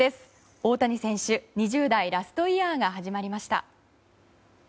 大谷選手、２０代ラストイヤーが始まりました。